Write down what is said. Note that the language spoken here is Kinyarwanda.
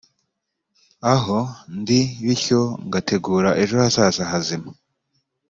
aho ndi bityo ngategura ejo hazaza hazima